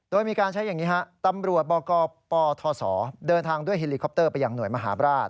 โดยมีการใช้อย่างนี้ฮะตำรวจบกปทศเดินทางด้วยเฮลิคอปเตอร์ไปยังหน่วยมหาบราช